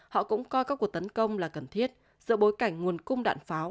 họ cũng coi các cuộc tấn công là cần thiết giữa bối cảnh nguồn cung đạn pháo